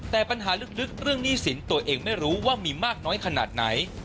แต่ปัญหาลึกเรื่องหนี้สินตัวเองไม่รู้ว่ามีมากน้อยขนาดไหน